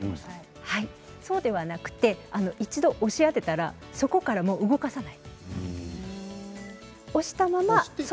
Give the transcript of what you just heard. そうではなくて一度押し当てたらそこから動かさない。